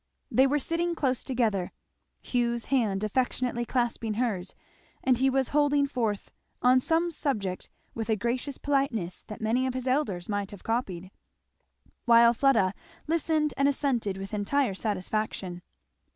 They were sitting close together, Hugh's hand affectionately clasping hers, and he was holding forth on some subject with a gracious politeness that many of his elders might have copied; while Fleda listened and assented with entire satisfaction.